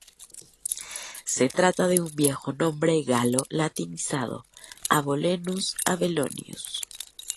Se trata un viejo nombre galo latinizado Abolenus-Abelonius.